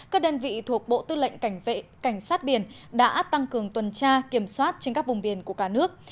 các đơn vị thuộc bộ tư lệnh cảnh sát biển đã tăng cường tuần tra kiểm soát trên các vùng biển của cả nước